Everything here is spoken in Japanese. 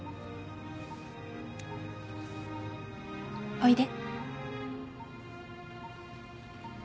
おいで。